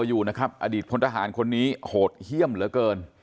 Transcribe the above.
อยู่นะครับอดีตพลทหารคนนี้โหดเยี่ยมเหลือเกิน